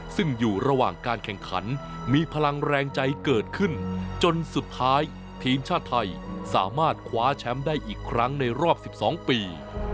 ซึ่งอยู่ระหว่างการแข่งขันมีพลังแรงใจเกิดขึ้นจนสุดท้ายทีมชาติไทยสามารถคว้าแชมป์ได้อีกครั้งในรอบ๑๒ปี